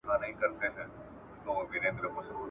تر سهار کيدو يا ويښيدو وروسته سنت کړني څه دي؟